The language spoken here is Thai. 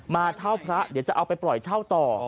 มาเช่าพระเดี๋ยวจะเอาไปปล่อยเช่าต่อ